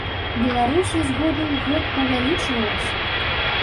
Беларусі з году ў год павялічвалася!